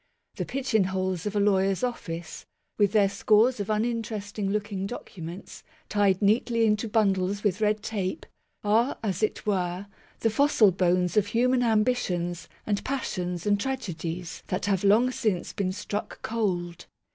The pigeon holes of a lawyer's office, with their scores of unin teresting looking documents, tied neatly into bundles with red tape, are, as it were, the fossil bones of human ambitions and passions and tragedies that have long since been struck cold.